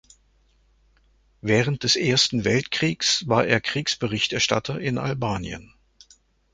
Während des Ersten Weltkriegs war er Kriegsberichterstatter in Albanien.